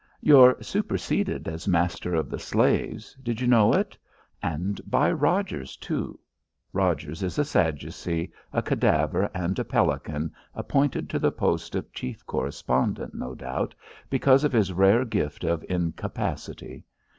You're superseded as master of the slaves. Did you know it? And by Rogers, too! Rogers is a Sadducee, a cadaver and a pelican, appointed to the post of chief correspondent, no doubt, because of his rare gift of incapacity.